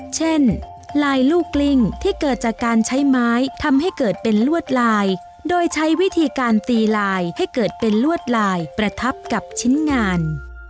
เช่นลายลูกกลิ้งที่เกิดจากการใช้ไม้ทำให้เกิดเป็นลวดลายโดยใช้วิธีการตีลายให้เกิดเป็นลวดลายประทับกับชิ้นงาน